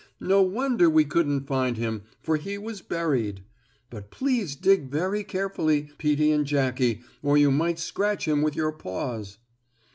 No wonder we couldn't find him, for he was buried. But please dig very carefully, Peetie and Jackie, or you might scratch him with your paws."